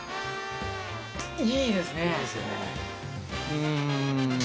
いいですよね。